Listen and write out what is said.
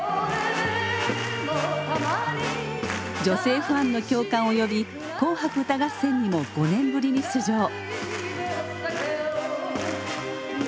女性ファンの共感を呼び「紅白歌合戦」にも５年ぶりに出場。